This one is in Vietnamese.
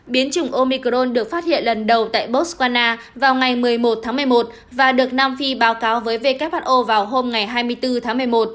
biến chủng omicron được phát hiện lần đầu tại botswana vào ngày một mươi một tháng một mươi một và được nam phi báo cáo với who vào hôm ngày hai mươi bốn tháng một mươi một